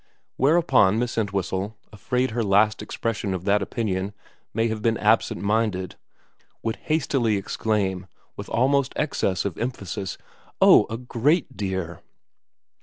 ' Whereupon Miss Entwhistle, afraid her last expression of that opinion may have been absent minded, would hastily exclaim with almost excess of emphasis, ' Oh, a great dear.'